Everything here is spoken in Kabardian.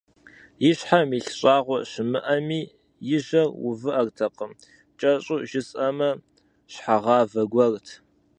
И щхьэм илъ щӀагъуэ щымыӀэми, и жьэр увыӀэртэкъым, кӀэщӀу жысӀэмэ, щхьэгъавэ гуэрт.